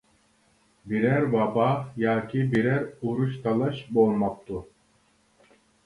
بىرەر ۋابا ياكى بىرەر ئورۇش-تالاش بولماپتۇ.